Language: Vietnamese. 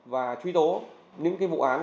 và truy tố những cái vụ án